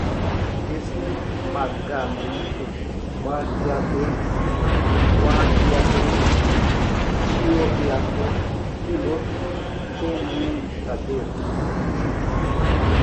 esmagamento, quarteador, quarteadores, biorreator, piloto, fermentadores